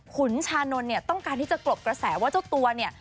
ขุนชานนท์เนี่ยต้องการที่จะกลบกระแสว่าเจ้าตัวเนี่ย